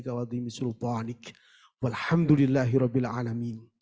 terus tentang ilmu pondok ilmu mercina dan teknologi sejarah